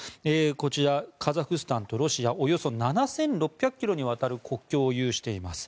こちら、カザフスタンとロシアおよそ７６００ｋｍにわたる国境を有しています。